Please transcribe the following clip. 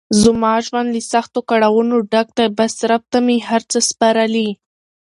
زما ژوند له سختو کړاونو ډګ ده بس رب ته مې هر څه سپارلی.